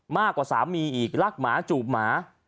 มากกว่าสามีอีกรักหมาจูบหมา